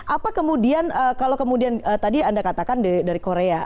apa kemudian kalau kemudian tadi anda katakan dari korea